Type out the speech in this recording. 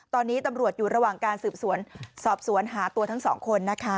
ตอนนี้ตำรวจอยู่ระหว่างการสืบสวนสอบสวนหาตัวทั้งสองคนนะคะ